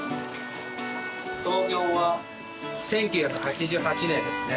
創業は１９８８年ですね。